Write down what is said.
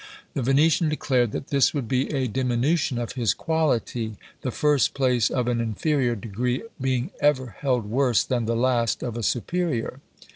The Venetian declared that this would be a diminution of his quality; the first place of an inferior degree being ever held worse than the last of a superior.